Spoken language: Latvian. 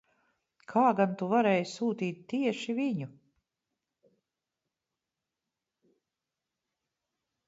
Kā gan tu varēji sūtīt tieši viņu?